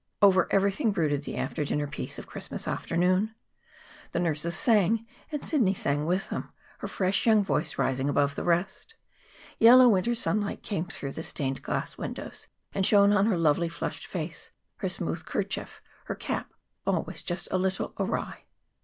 Over everything brooded the after dinner peace of Christmas afternoon. The nurses sang, and Sidney sang with them, her fresh young voice rising above the rest. Yellow winter sunlight came through the stained glass windows and shone on her lovely flushed face, her smooth kerchief, her cap, always just a little awry. Dr.